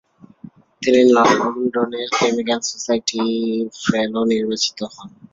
তিনি লন্ডনের কেমিক্যাল সোসাইটির ফেলো নির্বাচিত হন।